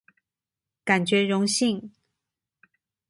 感覺榮幸